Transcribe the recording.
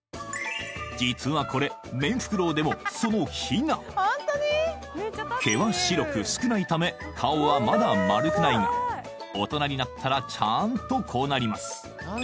実はこれメンフクロウでもそのヒナ毛は白く少ないため顔はまだ丸くないが大人になったらちゃんとこうなります